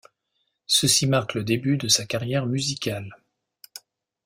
Ceci marque le début de sa carrière musicale.